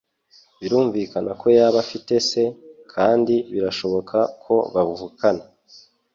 Birumvikana ko yaba afite se, kandi birashoboka ko bavukana.